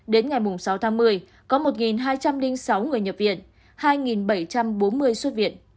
đến ngày sáu tháng một mươi có một hai trăm linh sáu người nhập viện hai bảy trăm bốn mươi xuất viện